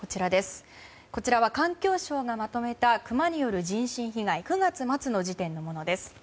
こちらは環境省がまとめたクマによる人身被害９月末の時点のものです。